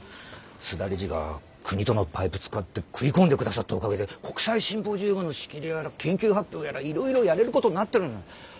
須田理事が国とのパイプ使って食い込んでくださったおかげで国際シンポジウムの仕切りやら研究発表やらいろいろやれることになってるんだ。